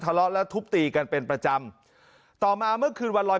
ทะเลาะและทุบตีกันเป็นประจำต่อมาเมื่อคืนวันลอย